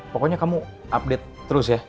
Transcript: pokoknya kamu update terus ya